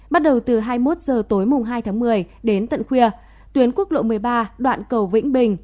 bắt đầu từ hai mươi một h tối mùng hai tháng một mươi đến tận khuya tuyến quốc lộ một mươi ba đoạn cầu vĩnh bình